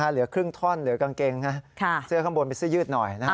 เหลือครึ่งท่อนเหลือกางเกงเสื้อข้างบนเป็นเสื้อยืดหน่อย